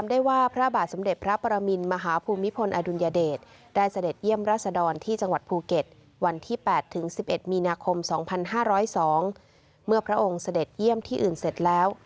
๘๑๑มีนาคม๒๕๐๒เมื่อพระองค์เสด็จเยี่ยมที่อื่นเสร็จแล้ว